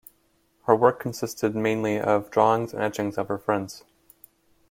Her work consisted mainly of drawings and etchings of her friends.